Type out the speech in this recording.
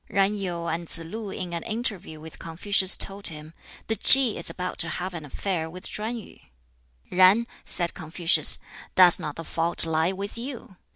Yen Yu and Tsz lu in an interview with Confucius told him, "The Ki is about to have an affair with Chuen yu." "Yen," said Confucius, "does not the fault lie with you?